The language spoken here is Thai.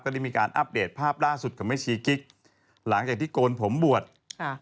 ได้มีการอัปเดตภาพล่าสุดกับแม่ชีกิ๊กหลังจากที่โกนผมบวชค่ะ